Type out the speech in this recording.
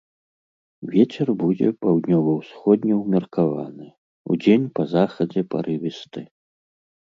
Вецер будзе паўднёва-ўсходні ўмеркаваны, удзень па захадзе парывісты.